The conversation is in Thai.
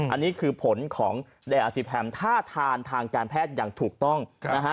อันนี้คือผลของเดอาซิแพมท่าทานทางการแพทย์อย่างถูกต้องนะฮะ